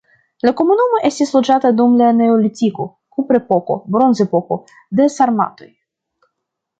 La komunumo estis loĝata dum la neolitiko, kuprepoko, bronzepoko, de sarmatoj.